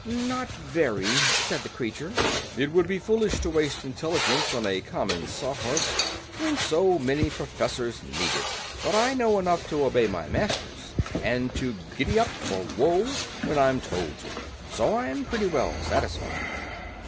"Not very," said the creature. "It would be foolish to waste intelligence on a common Sawhorse, when so many professors need it. But I know enough to obey my masters, and to gid dup, or whoa, when I'm told to. So I'm pretty well satisfied."